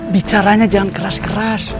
bicaranya jangan keras keras